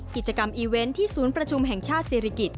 กิจกรรมอีเวนต์ที่ศูนย์ประชุมแห่งชาติศิริกิจ